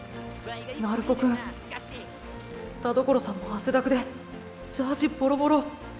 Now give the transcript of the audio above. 鳴子くん田所さんも汗だくでジャージボロボロ。